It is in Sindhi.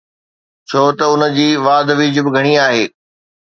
ڇو ته ان جي واڌ ويجهه به گهڻي آهي.